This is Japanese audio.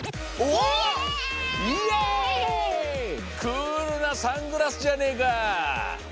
クールなサングラスじゃねえか。